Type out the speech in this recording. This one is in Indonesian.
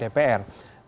jadi kalau sekarang